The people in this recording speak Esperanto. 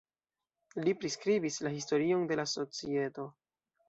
Li priskribis la historion de la societo.